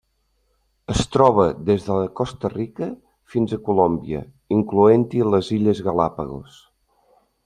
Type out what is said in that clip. Es troba des de Costa Rica fins a Colòmbia, incloent-hi les Illes Galápagos.